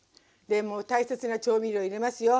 でもう大切な調味料入れますよ。